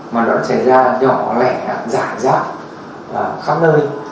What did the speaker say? mà nó xảy ra nhỏ lẻ giả rác khắp nơi